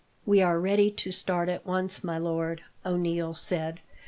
"We are ready to start at once, my lord," O'Neil said.